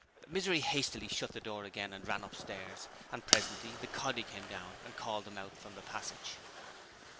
Misery hastily shut the door again and ran upstairs, and presently the 'coddy' came down and called out to them from the passage.